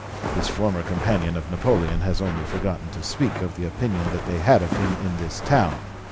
This former companion of Napoleon has only forgotten to speak of the opinion that they had of him in this town.